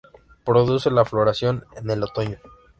Produce la floración en el otoño.